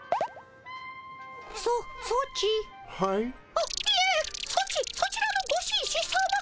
あっいえそちそちらのご紳士さま。